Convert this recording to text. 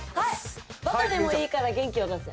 バカでもいいから元気を出せ！